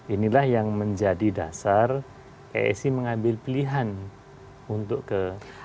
inilah yang menjadi dasar psi mengambil pilihan untuk ke